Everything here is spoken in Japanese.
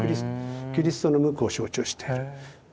キリストの無垢を象徴している。